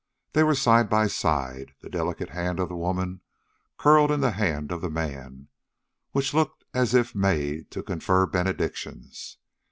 They were side by side, the delicate hand of the woman curled in the hand of the man, which looked as if made to confer benedictions.